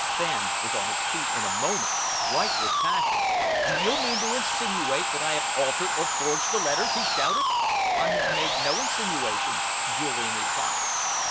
Fenn was on his feet in a moment, white with passion. "Do you mean to insinuate that I have altered or forged the letters?" he shouted. "I have made no insinuations," Julian replied.